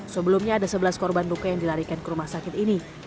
sebelumnya ada sebelas korban luka yang dilarikan ke rumah sakit ini